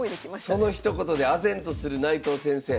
そのひと言であぜんとする内藤先生。